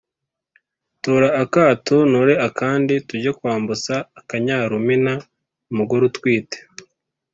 Tora akato ntore akandi tujye kwambutsa akanyarumina-Umugore utwite.